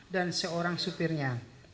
dan seorang supirnya